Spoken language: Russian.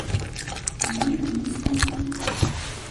Но другим способом!